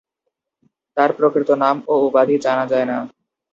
তাঁর প্রকৃত নাম ও উপাধি জানা যায় না।